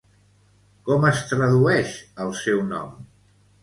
Com es tradueix el seu nom?